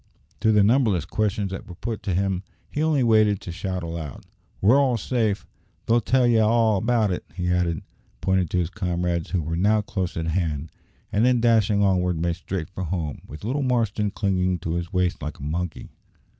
To the numberless questions that were put to him he only waited to shout aloud, "We're all safe! They'll tell ye all about it," he added, pointing to his comrades, who were now close at hand; and then, dashing onward, made straight for home, with little Marston clinging to his waist like a monkey.